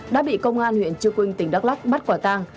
đã bị công an huyện trư quynh tỉnh đắk lắc bắt quả tang